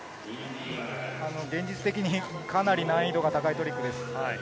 現実的に難易度の高いトリックです。